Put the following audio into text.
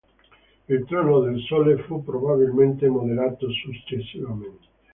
Il Trono del Sole fu probabilmente modellato successivamente.